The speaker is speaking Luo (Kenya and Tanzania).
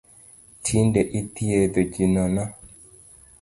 Tinde ithiedho ji nono